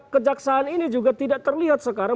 kejaksaan ini juga tidak terlihat sekarang